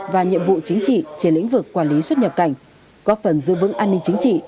và nhiệm vụ chính trị trên lĩnh vực quản lý xuất nhập cảnh góp phần giữ vững an ninh chính trị